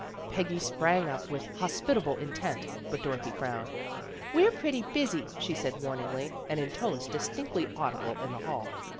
Peggy sprang up with hospit able intent, but Dorothy frowned. " We're pretty busy," she said warningly, and in tones distinctly audible in the hall.